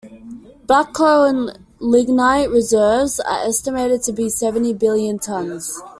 Black coal and lignite reserves are estimated to be seventy billion tons.